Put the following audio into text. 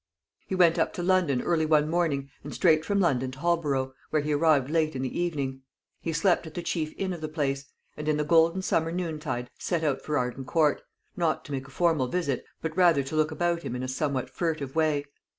He went up to London early one morning, and straight from London to Holborough, where he arrived late in the evening. He slept at the chief inn of the place; and in the golden summer noontide set out for Arden Court not to make a formal visit, but rather to look about him in a somewhat furtive way.